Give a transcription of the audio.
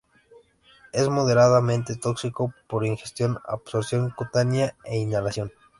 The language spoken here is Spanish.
Es moderadamente tóxico por ingestión, absorción cutánea e inhalación.